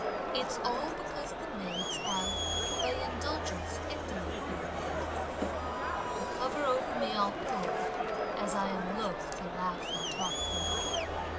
It's all because the maids have by indulgence indolent been made. The cover over me I'll pull, as I am loth to laugh and talk for long.